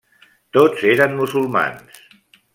Tots eren musulmans.